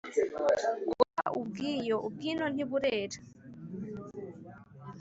Gusa ubw’iyo, ubw'ino ntiburera.